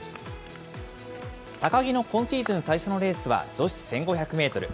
高木の今シーズン最初のレースは、女子１５００メートル。